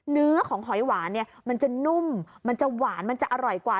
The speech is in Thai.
เนื้อของหอยหวานเนี่ยมันจะนุ่มมันจะหวานมันจะอร่อยกว่า